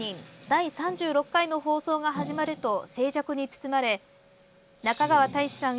第３６回の放送が始まると静寂に包まれ中川大志さん